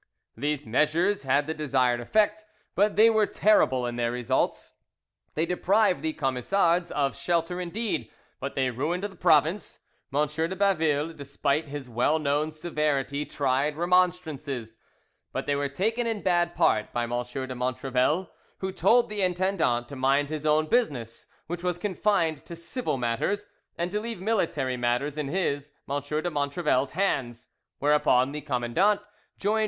These measures had the desired effect, but they were terrible in their results; they deprived the Camisards of shelter indeed, but they ruined the province. M. de Baville, despite his well known severity tried remonstrances, but they were taken in bad part by M. de Montrevel, who told the intendant to mind his own business, which was confined to civil matters, and to leave military matters in his, M. de Montrevel's, hands; whereupon the commandant joined M.